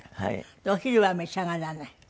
でお昼は召し上がらない？